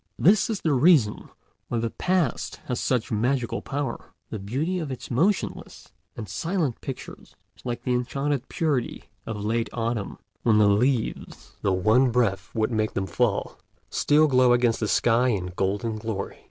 This is the reason why the Past has such magical power. The beauty of its motionless and silent pictures is like the enchanted purity of late autumn, when the leaves, though one breath would make them fall, still glow against the sky in golden glory.